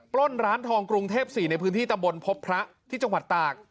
ปล้นร้านทองกรุงเทพ๔ในพื้นที่ตำบลพบพระที่จังหวัดตาก